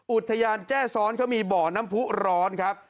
อุทยานแจ้ซ้อนเขามีบ่อน้ำผู้ร้อนครับ